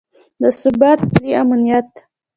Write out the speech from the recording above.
د ثبات، ملي امنیت